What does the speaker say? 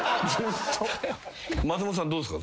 松本さんどうっすか？